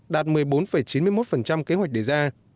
đạt một mươi bốn chín mươi một kế hoạch đề ra